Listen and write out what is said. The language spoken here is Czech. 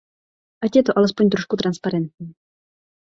Ať je to alespoň trošku transparentní.